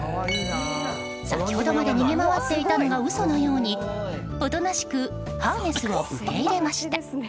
先ほどまで逃げ回っていたのが嘘のようにおとなしくハーネスを受け入れました。